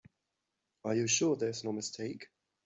Are you sure there's no mistake?